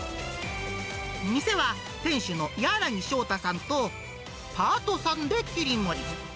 店は店主の柳正太さんとパートさんで切り盛り。